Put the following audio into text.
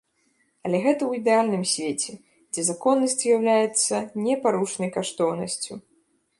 Але гэта ў ідэальным свеце, дзе законнасць з'яўляецца непарушнай каштоўнасцю.